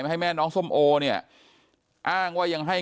ให้แม่น้องส้มโอเนี่ยอ้างว่ายังให้